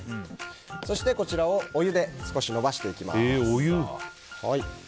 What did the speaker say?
そしてこちらをお湯で少し伸ばしていきます。